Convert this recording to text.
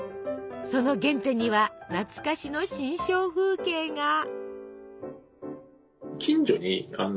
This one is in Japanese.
その原点には懐かしの心象風景が。